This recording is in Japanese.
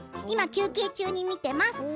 今、休憩中に見ています。